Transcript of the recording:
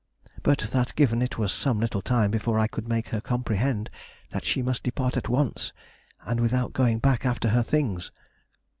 But that given, it was some little time before I could make her comprehend that she must depart at once and without going back after her things.